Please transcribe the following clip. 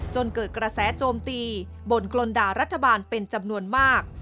จนเกิดกระแสโจมตีบนกลนด่ารัฐบาลเป็นจำนวนมาก